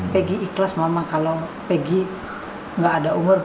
peggy ikhlas mama kalau peggy tidak ada umur